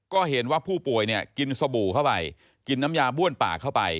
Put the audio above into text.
ก็เห็นว่าผู้ป่วยเนี่ยกินสบู่เข้าไปกินน้ำยาบ้วนปากเข้าไป